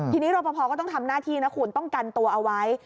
ทีนี้รอปภก็ต้องทำหน้าที่นะคุณต้องกันตัวเอาไว้